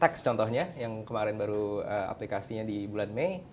tax contohnya yang kemarin baru aplikasinya di bulan mei